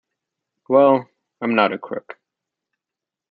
Well, I'm not a crook.